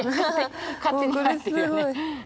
勝手に生えてるよね。